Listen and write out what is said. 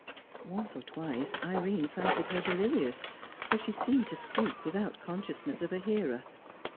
Once or twice Irene fancied her delirious, for she seemed to speak without consciousness of a hearer.